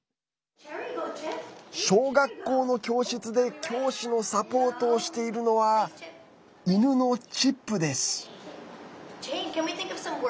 小学校の教室で教師のサポートをしているのは犬のチップです。